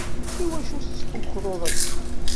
Iwacu tettkukruḍ akken?